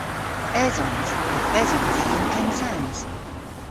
Esons. Yth esons i yn Pennsans.